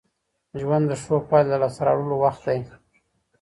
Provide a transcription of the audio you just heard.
ژوند د ښو پايلو د لاسته راوړلو وخت دی.